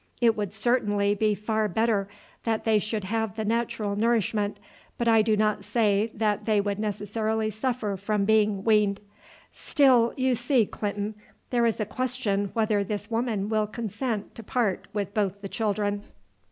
It would certainly be far better that they should have the natural nourishment, but I do not say that they would necessarily suffer from being weaned. Still, you see, Clinton, there is a question whether this woman will consent to part with both the children."